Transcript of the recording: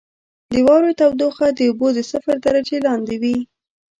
• د واورې تودوخه د اوبو د صفر درجې لاندې وي.